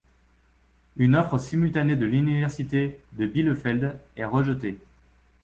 Une offre simultanée de l’Université de Bielefeld est rejetée.